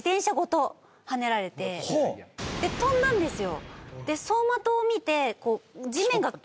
で飛んだんですよ。